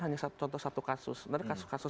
hanya contoh satu kasus sebenarnya kasus kasus